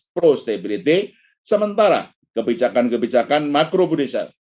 pro stabilitas sementara kebijakan kebijakan makro budisya